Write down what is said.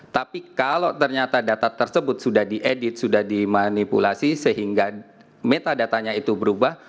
tapi kalau ternyata data tersebut sudah diedit sudah dimanipulasi sehingga metadatanya itu berubah